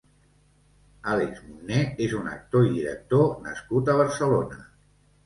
Àlex Monner és un actor i director nascut a Barcelona.